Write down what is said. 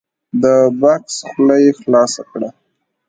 د بکس خوله یې خلاصه کړه !